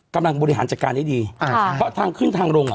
บริหารจัดการให้ดีอ่าค่ะเพราะทางขึ้นทางลงอ่ะ